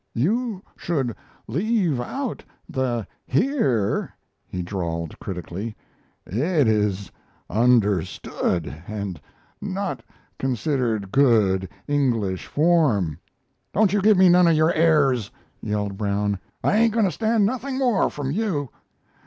"You should leave out the 'here,'" he drawled, critically. "It is understood, and not considered good English form." "Don't you give me none of your airs," yelled Brown. "I ain't going to stand nothing more from you."